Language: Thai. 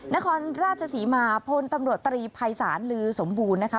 นครราชศรีมาพลตำรวจตรีภัยศาลลือสมบูรณ์นะคะ